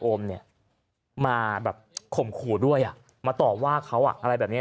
โอมนี่มาแบบขมขูด้วยอะมาตอบว่าเขาอะอะไรแบบเงี้ย